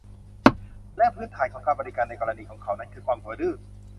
และพื้นฐานของการบริการในกรณีของเขานั้นคือความหัวดื้อ